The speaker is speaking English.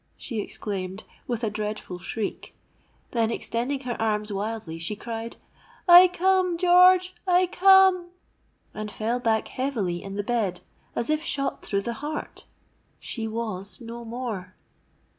she exclaimed, with a dreadful shriek; then extending her arms wildly, she cried, 'I come, George—I come!' and fell back heavily in the bed, as if shot through the heart. She was no more!